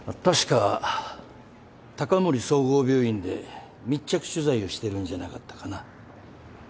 確か高森総合病院で密着取材をしてるんじゃなかったかな？